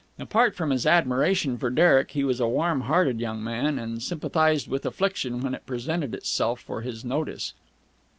Apart from his admiration for Derek, he was a warmhearted young man, and sympathized with affliction when it presented itself for his notice.